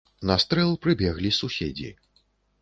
На стрэл прыбеглі суседзі.